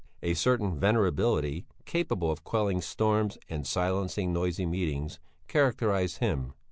A certain venerability, capable of quelling storms and silencing noisy meetings, characterized him.